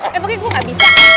tuh tuh tuh